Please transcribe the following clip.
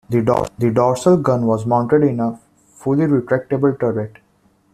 The dorsal gun was mounted in a fully retractable turret.